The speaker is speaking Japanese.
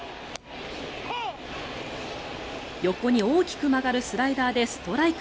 横に大きく曲がるスライダーでストライク。